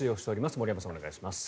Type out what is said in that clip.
森山さん、お願いします。